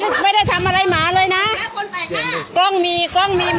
นี่คือห่วงครอบครัวเยอะสายพล้อมยังไหว